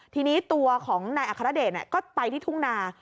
ทีนี้ตัวของนายอัครเดชก็ไปที่ทุ่งนา